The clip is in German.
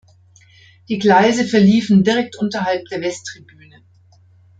Die Gleise verliefen direkt unterhalb der Westtribüne.